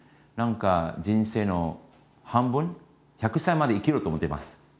何か人生の半分１００歳まで生きると思っています。